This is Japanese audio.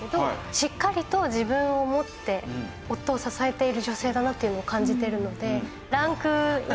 しっかりと自分を持って夫を支えている女性だなというのを感じてるので。